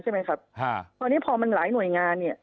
ใช่ไหมครับตอนนี้พอมันหลายหน่วยงานเนี่ย